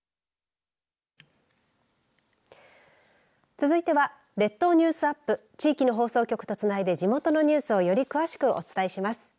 続いては列島ニュースアップ地域の放送局とつないで地元のニュースをより詳しくお伝えします。